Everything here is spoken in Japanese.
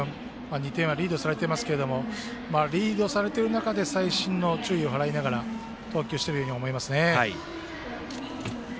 ２点はリードされてますけどもリードされている中で細心の注意を払いながら投球しているように思いますね。